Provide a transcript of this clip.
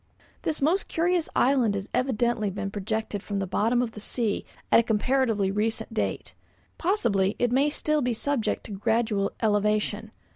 This most curious island has evidently been projected from the bottom of the sea at a comparatively recent date. Possibly, it may still be subject to gradual elevation.